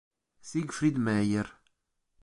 Siegfried Meier